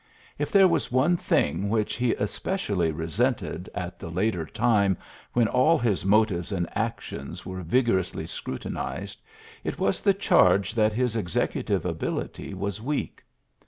If there was one thing which he es pecially resented at the later time when all his motives and actions were vigor ously scrutinized, it was the charge that his executive ability was weak.